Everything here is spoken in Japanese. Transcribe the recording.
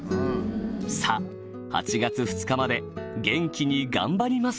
「さあ八月二日迄元気に頑張ります」